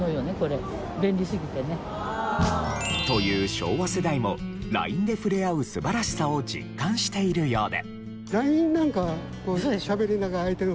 昭和世代もＬＩＮＥでふれあう素晴らしさを実感しているようで。